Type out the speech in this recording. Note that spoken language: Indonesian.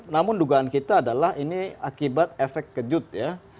namun dugaan kita adalah ini akibat efek kejut ya